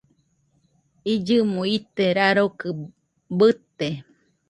Illɨmo ite rarokɨ bɨte